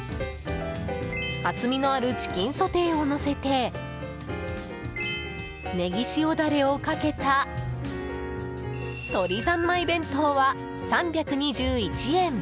厚みのあるチキンソテーをのせてねぎ塩ダレをかけた鶏三昧弁当は３２１円。